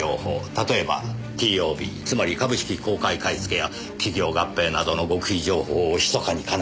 例えばＴＯＢつまり株式公開買付や企業合併などの極秘情報をひそかに金谷社長に流す。